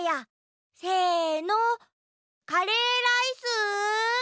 せのカレーライス？